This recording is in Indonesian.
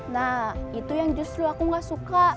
nah itu yang justru aku gak suka